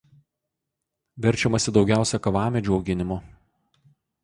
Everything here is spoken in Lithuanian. Verčiamasi daugiausia kavamedžių auginimu.